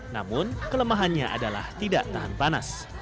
namun kelemahannya adalah tidak tahan panas